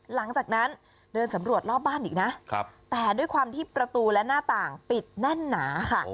หลังจากนั้นเดินสำรวจรอบบ้านอีกนะแต่ด้วยความที่ประตูและหน้าต่างปิดแน่นหนาค่ะ